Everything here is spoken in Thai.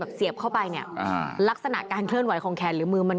เสียบเข้าไปเนี่ยอ่าลักษณะการเคลื่อนไหวของแขนหรือมือมัน